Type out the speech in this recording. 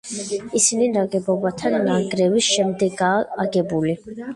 ისინი ნაგებობათა დანგრევის შემდეგაა აგებული.